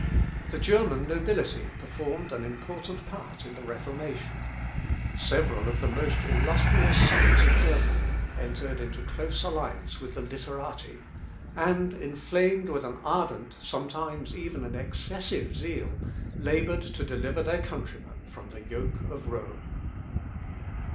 The German nobility performed an important part in the Reformation. Several of the most illustrious sons of Germany entered into close alliance with the Literati, and inflamed with an ardent, sometimes even an excessive zeal, laboured to deliver their countrymen from the yoke of Rome.